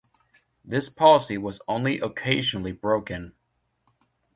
This policy was only occasionally broken.